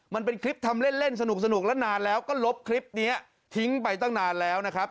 มันเป็นคลิปทำเล่นสนุกแล้วนานแล้วก็ลบคลิปนี้ทิ้งไปตั้งนานแล้วนะครับ